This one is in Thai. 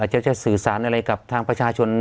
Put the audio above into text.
จะสื่อสารอะไรกับทางประชาชน